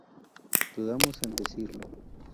dudamos en decirlo